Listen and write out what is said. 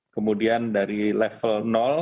kemudian dari level